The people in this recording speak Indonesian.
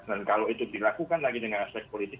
dan kalau itu dilakukan lagi dengan aspek politik